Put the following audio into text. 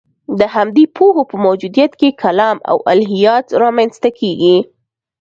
د همدې پوهو په موجودیت کې کلام او الهیات رامنځته کېږي.